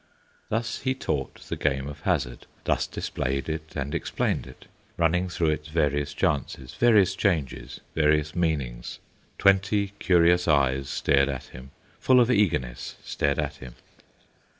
Thus he taught the game of hazard, Thus displayed it and explained it, Running through its various chances, Various changes, various meanings: Twenty curious eyes stared at him, Full of eagerness stared at him.